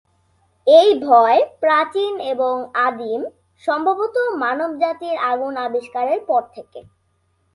এই ভয় প্রাচীন এবং আদিম, সম্ভবত মানবজাতির আগুন আবিষ্কারের পর থেকে।